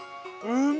うん！